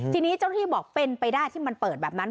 ทีนี้เจ้าหน้าที่บอกเป็นไปได้ที่มันเปิดแบบนั้น